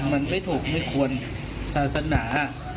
มันไม่ถูกไม่ควรศาสนา